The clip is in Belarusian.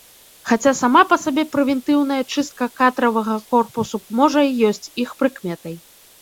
Хаця сама па сабе прэвентыўная чыстка кадравага корпусу, можа, і ёсць іх прыкметай.